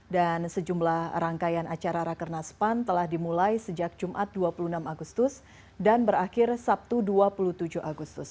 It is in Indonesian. dan sejumlah rangkaian acara rakerna span telah dimulai sejak jumat dua puluh enam agustus dan berakhir sabtu dua puluh tujuh agustus